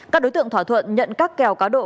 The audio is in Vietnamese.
các đối tượng thỏa thuận nhận các kèo cá độ